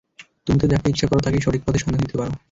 তুমি তো যাকে ইচ্ছা কর তাকেই সঠিক পথের সন্ধান দিতে পার।